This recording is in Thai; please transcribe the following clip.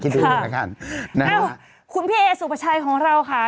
คิดดูด้วยนะครันนะครับคุณพี่เอ๋สุปชัยของเราค่ะ